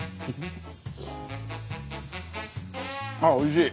あっおいしい！